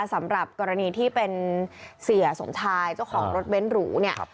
สำหรับกรณีที่เป็นเสียสมชายเจ้าของรถเบ้นหรูเนี่ย